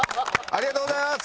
ありがとうございます！